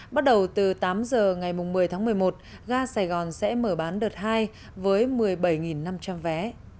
bắt đầu từ tám giờ ngày một mươi tháng một mươi một ga sài gòn sẽ mở bán đợt hai với một mươi bảy năm trăm linh vé